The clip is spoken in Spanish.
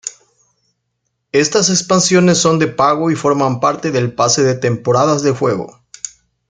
Estas expansiones son de pago y forman parte del pase de temporada del juego.